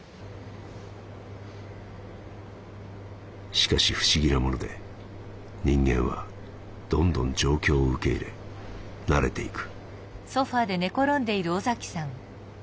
しかし不思議なもので人間はどんどん状況を受け入れ慣れていく」。